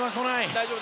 大丈夫。